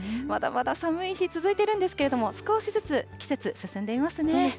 まだまだ寒い日、続いているんですけれども、少しずつ季節、進んでいますね。